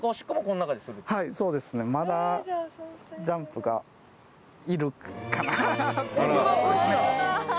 まだジャンプがいるかな